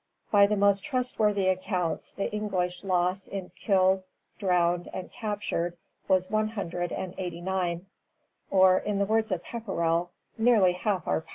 By the most trustworthy accounts the English loss in killed, drowned, and captured was one hundred and eighty nine; or, in the words of Pepperrell, "nearly half our party."